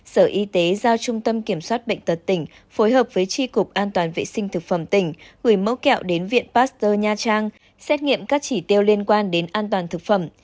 sở y tế giao trung tâm kiểm soát bệnh tật tỉnh phối hợp với tri cục an toàn vệ sinh thực phẩm tỉnh gửi mẫu kẹo đến viện pasteur nha trang xét nghiệm các chỉ tiêu liên quan đến an toàn thực phẩm